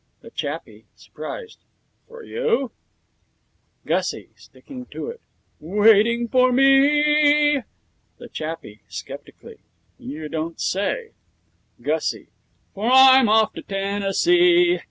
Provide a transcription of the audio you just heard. THE CHAPPIE (surprised): For you?' GUSSIE (sticking to it): 'Waiting for me e ee!' THE CHAPPIE (sceptically): 'You don't say!' GUSSIE: 'For I'm off to Tennessee.'